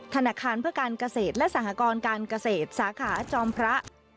ธนาคารเพื่อการเกษตรและสหกรการเกษตรสาขาจอมพระ